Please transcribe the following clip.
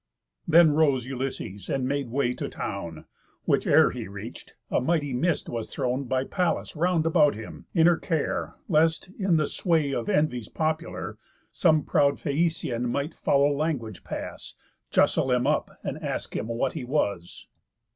Then rose Ulysses, and made way to town; Which ere he reach'd, a mighty mist was thrown By Pallas round about him, in her care, Lest, in the sway of envies popular, Some proud Phæacian might foul language pass, Justle him up, and ask him what he was.